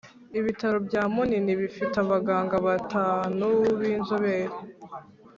ibitaro bya munini bifite abaganga batanu b’inzobere,